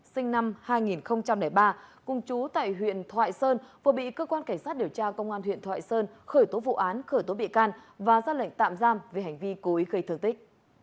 sinh năm hai nghìn ba cùng chú tại huyện thoại sơn vừa bị cơ quan cảnh sát điều tra công an huyện thoại sơn khởi tố vụ án khởi tố bị can và ra lệnh tạm giam về hành vi cố ý gây thương tích